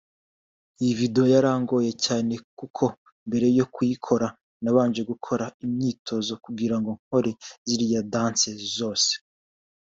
Iyi video yarangoye cyane kuko mbere yo kuyikora nabanje gukora imyitozo kugirango nkore ziriya dances zose”